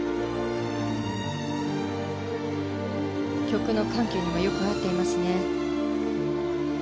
曲の緩急にもよく合っていますね。